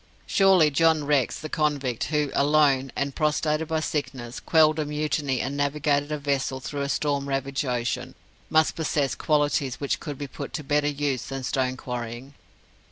Surely John Rex, the convict, who, alone, and prostrated by sickness, quelled a mutiny and navigated a vessel through a storm ravaged ocean, must possess qualities which could be put to better use than stone quarrying.